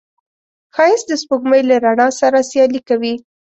ښایست د سپوږمۍ له رڼا سره سیالي کوي